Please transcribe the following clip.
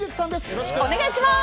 よろしくお願いします。